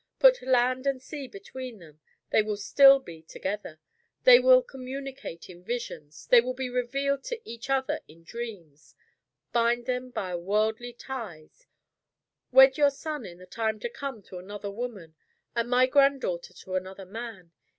Put land and sea between them they will still be together; they will communicate in visions, they will be revealed to each other in dreams. Bind them by worldly ties; wed your son, in the time to come, to another woman, and my grand daughter to another man.